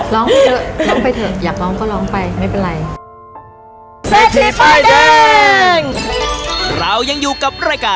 ร้องเถอะร้องไปเถอะอยากร้องก็ร้องไปไม่เป็นไร